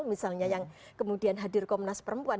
misalnya yang kemudian hadir komnas perempuan